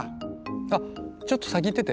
あっちょっと先行ってて。